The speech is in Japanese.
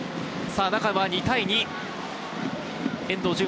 中は２対２。